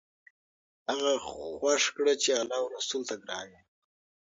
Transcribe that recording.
هغه څه خوښ کړه چې الله او رسول ته ګران وي.